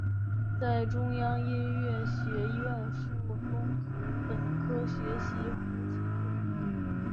在中央音乐学院附中和本科学习胡琴专业。